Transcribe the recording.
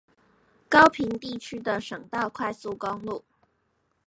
高屏地區的省道快速公路